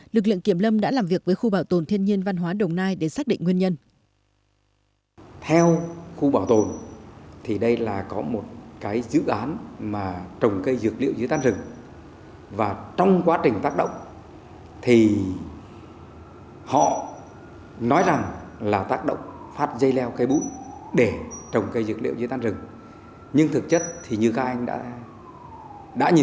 lực lượng kiểm lâm đã làm việc với khu bảo tồn thiên nhiên văn hóa đồng nai để xác định nguyên nhân